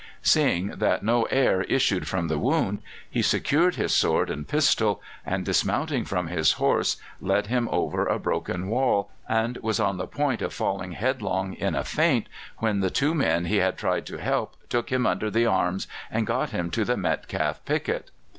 Seeing that no air issued from the wound, he secured his sword and pistol, and, dismounting from his horse, led him over a broken wall, and was on the point of falling headlong in a faint when the two men he had tried to help took him under the arms and got him to the Metcalfe picket.